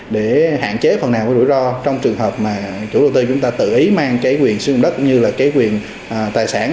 để hạn chế phần nào cái rủi ro trong trường hợp mà chủ đầu tư chúng ta tự ý mang cái quyền sử dụng đất như là cái quyền tài sản